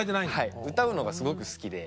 歌うのがすごく好きで。